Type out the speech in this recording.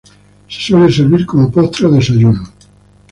Se suele servir como postre o desayuno.